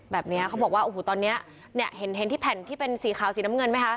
แบบนี้เขาบอกว่าโอ้โหตอนนี้เนี่ยเห็นที่แผ่นที่เป็นสีขาวสีน้ำเงินไหมคะ